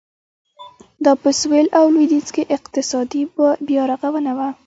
دا په سوېل او لوېدیځ کې اقتصادي بیارغونه وه.